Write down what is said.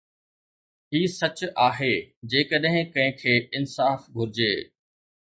هي سچ آهي جيڪڏهن ڪنهن کي انصاف گهرجي